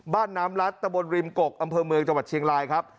บ้านน้ำรัดตะบนริมกกอำเภอเมืองจังหวัดเชียงรายครับ